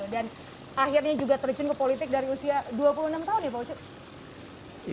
dan akhirnya juga terjun ke politik dari usia dua puluh enam tahun pak ucu